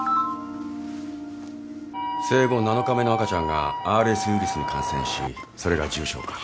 生後７日目の赤ちゃんがＲＳウィルスに感染しそれが重症化。